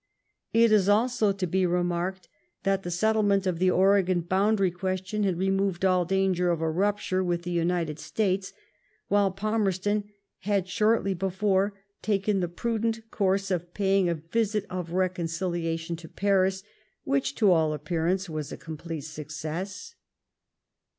It is also to be remarked that the settlement of the Oregon boundary question had re moved all danger of a rupture with the United States, while Palmerston had shortly before taken the prudent oourse of paying a visit of reconciliation to Paris, which to all appearance was a complete success.